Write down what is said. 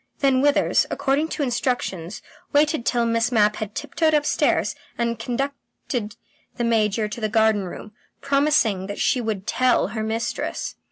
Then Withers, according to instructions, waited till Miss Mapp had tiptoed upstairs, and conducted the Major to the garden room, promising that she would "tell" her mistress.